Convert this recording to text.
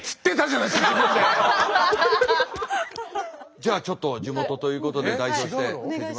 じゃあちょっと地元ということで代表して。